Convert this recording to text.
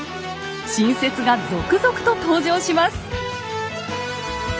新説が続々と登場します。